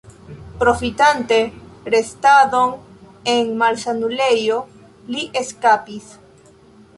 Profitante restadon en malsanulejo, li eskapis.